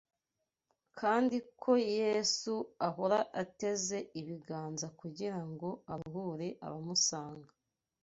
kandi ko Yesu ahora ateze ibiganza kugirango aruhure abamusanga